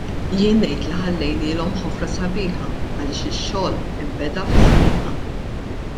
Jien ngħid li ħallejnielhom ħofra sabiħa għaliex ix-xogħol inbeda fi żmienna.